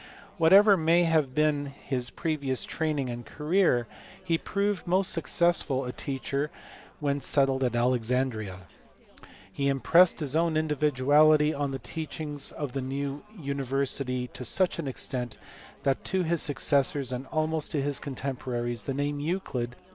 Whatever may have been his previous training and career, he proved a most successful teacher when settled at Alexandria. He impressed his own individuality on the teaching of the new university to such an extent that to his successors and almost to his contemporaries the name Euclid * Besides Cantor, chaps, xn.